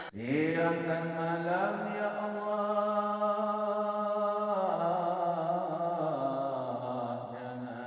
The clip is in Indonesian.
selamat hari rukun